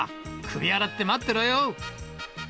首洗って待ってろよ。